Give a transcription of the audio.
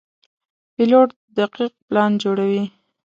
پیلوټ دقیق پلان جوړوي.